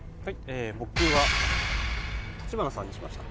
僕は橘さんにしました。